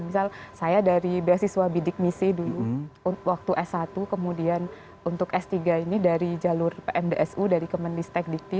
misal saya dari beasiswa bidik misi dulu waktu s satu kemudian untuk s tiga ini dari jalur pmdsu dari kemenistek dikti